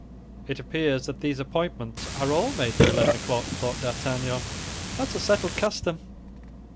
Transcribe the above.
"It appears that these appointments are all made for eleven o'clock," thought D'Artagnan; "that's a settled custom."